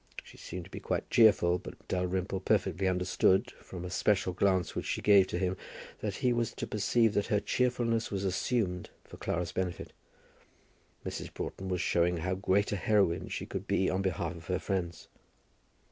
She seemed to be quite cheerful, but Dalrymple perfectly understood, from a special glance which she gave to him, that he was to perceive that her cheerfulness was assumed for Clara's benefit. Mrs. Broughton was showing how great a heroine she could be on behalf of her friends.